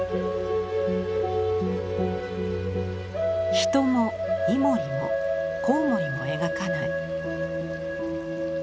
人もイモリも蝙蝠も描かない。